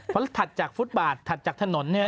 เพราะถัดจากฟุตบาทถัดจากถนนเนี่ย